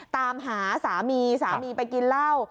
ตามหาสามีสามีไปกินเหล้า